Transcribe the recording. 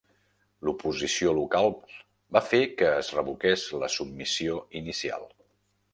L'oposició local va fer que es revoqués la submissió inicial.